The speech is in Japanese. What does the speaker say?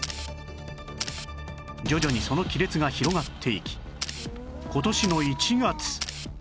徐々にその亀裂が広がっていき今年の１月